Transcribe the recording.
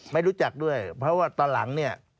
ไม่รู้จักด้วยเพราะว่าตอนหลังเนี่ย